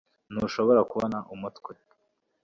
Ntushobora kubona umutwe